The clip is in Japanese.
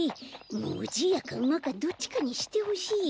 もうじいやかうまかどっちかにしてほしいよ。